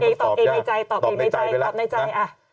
ต้องตอบเองในใจตอบในใจ